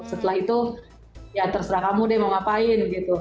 setelah itu ya terserah kamu deh mau ngapain gitu